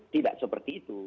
tidak seperti itu